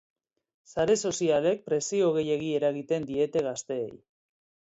Sare sozialek presio gehiegi eragiten diete gazteei.